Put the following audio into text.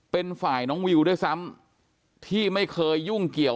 เป็นฝ่ายน้องวิวด้วยซ้ำที่ไม่เคยยุ่งเกี่ยว